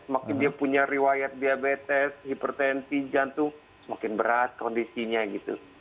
makin dia punya riwayat diabetes hipertensi jantung semakin berat kondisinya gitu